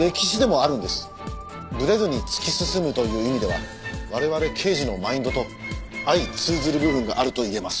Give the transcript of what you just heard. ブレずに突き進むという意味では我々刑事のマインドと相通ずる部分があるといえます。